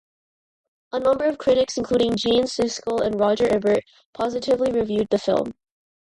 A number of critics, including Gene Siskel and Roger Ebert, positively reviewed the film.